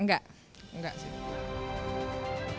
enggak enggak sih